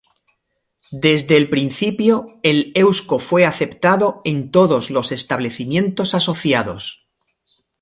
Desde el principio el eusko fue aceptado en todos los establecimientos asociados.